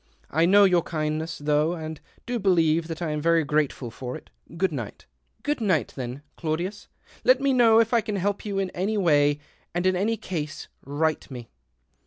I know your kindness though, and do believe that I am very grateful for it. Good night." " Good night, then, Claudius. Let me know if I can help you in any way, and in any case write to me."